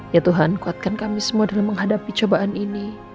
ya tuhan kuatkan kami semua dalam menghadapi cobaan ini